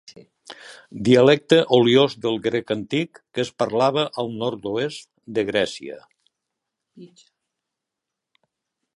Dialecte oliós del grec antic que es parlava al nord-oest de Grècia.